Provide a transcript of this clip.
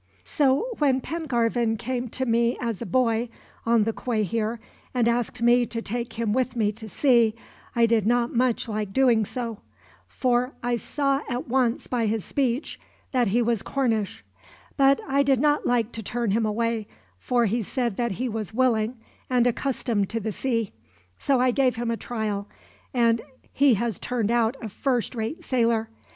"So when Pengarvan came to me as a boy, on the quay here, and asked me to take him with me to sea, I did not much like doing so; for I saw at once, by his speech, that he was Cornish; but I did not like to turn him away, for he said that he was willing, and accustomed to the sea. So I gave him a trial, and he has turned out a first rate sailor.